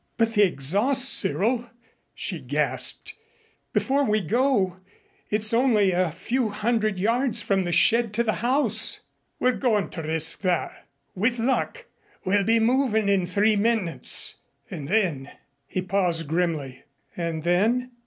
"But the exhaust, Cyril," she gasped, "before we go it's only a few hundred yards from the shed to the house!" "We're going to risk that. With luck we'll be movin' in three minutes, and then " He paused grimly. "And then